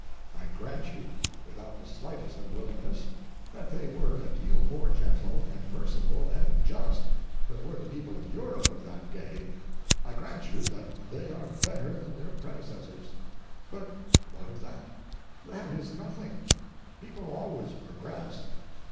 I grant you, without the slightest unwillingness, that they were a deal more gentle and merciful and just than were the people of Europe of that day; I grant you that they are better than their predecessors. But what of that?—that is nothing. People always progress.